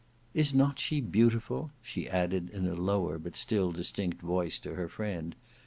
Is not she beautiful?" she added in a lower but still distinct voice to her friend.